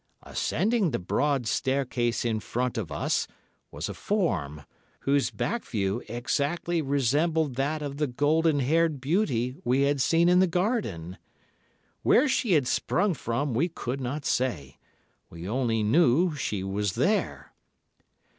Ascending the broad staircase in front of us was a form, whose back view exactly resembled that of the golden haired beauty we had seen in the garden. Where she had sprung from we could not say. We only knew she was there.